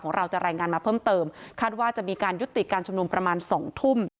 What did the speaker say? เราจะรายงานมาเพิ่มเติมคาดว่าจะมีการยุติการชุมนุมประมาณสองทุ่ม